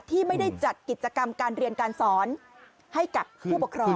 ที่ไม่ได้จัดกิจกรรมการเรียนการสอนให้กับผู้ปกครอง